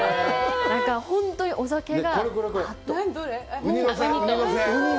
本当にお酒が。